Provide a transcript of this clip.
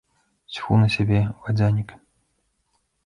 Цьфу на цябе, вадзянік.